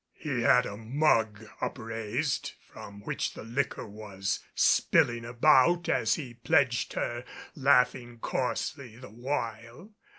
He had a mug upraised, from which the liquor was spilling about as he pledged her, laughing coarsely the while.